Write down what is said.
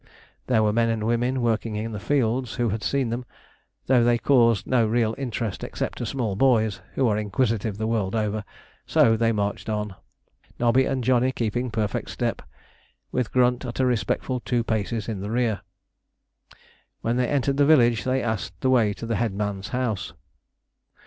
There were men and women working in the fields who had seen them, though they caused no real interest except to small boys, who are inquisitive the world over; so they marched on, Nobby and Johnny keeping perfect step, with Grunt at a respectful two paces in the rear. When they entered the village they asked the way to the headman's house.